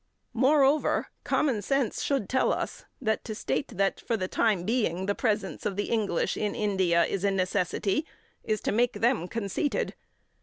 Moreover, commonsense should tell us that to state that, for the time being, the presence of the English in India is a necessity, is to make them conceited.